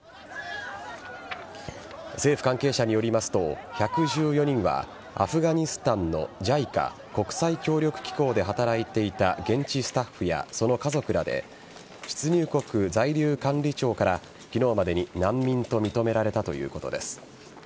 政府関係者によりますと１１４人はアフガニスタンのＪＩＣＡ＝国際協力機構で働いていた現地スタッフやその家族らで出入国在留管理庁から昨日までに難民と認められたということです。